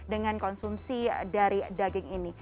dengan konsumsi dari daging ini